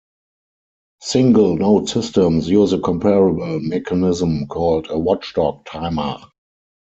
Single node systems use a comparable mechanism called a watchdog timer.